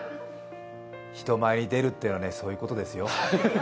人前に出るってのはそういうことですよ。